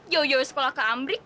jauh jauh sekolah ke ambrik